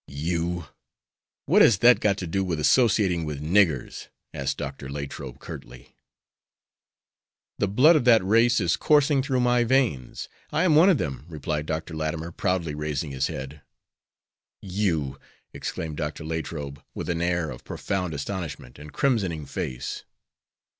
"You! What has that got to do with associating with niggers?" asked Dr. Latrobe, curtly. "The blood of that race is coursing through my veins. I am one of them," replied Dr. Latimer, proudly raising his head. "You!" exclaimed Dr. Latrobe, with an air of profound astonishment and crimsoning face.